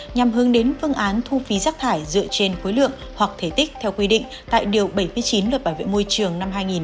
nhằm hướng đến phương án thu phí rác thải dựa trên khối lượng hoặc thể tích theo quy định tại điều bảy mươi chín luật bảo vệ môi trường năm hai nghìn một mươi